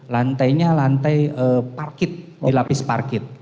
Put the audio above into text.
lantainya lantai parkit dilapis parkit